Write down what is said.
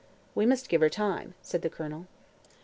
"We must give her time," said the Colonel.